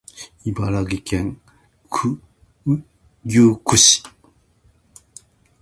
茨城県牛久市